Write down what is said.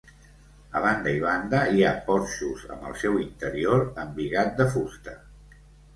A banda i banda hi ha porxos amb el seu interior embigat de fusta.